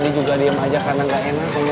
aku juga diem aja karena nggak enak ngomongnya